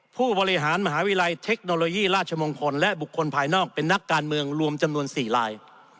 ผู้บริหารมหาวิทยาลัยเทคโนโลยีราชมงคลและบุคคลภายนอกเป็นนักการเมืองรวมจำนวน๔ลาย